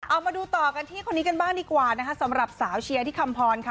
เอามาดูต่อกันที่คนนี้กันบ้างดีกว่านะคะสำหรับสาวเชียร์ที่คำพรค่ะ